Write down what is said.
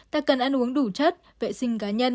ta cần ăn uống đủ chất vệ sinh cá nhân